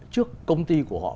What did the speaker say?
trước công ty của họ